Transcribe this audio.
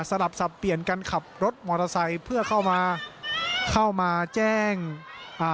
สลับสับเปลี่ยนกันขับรถมอเตอร์ไซค์เพื่อเข้ามาเข้ามาแจ้งอ่า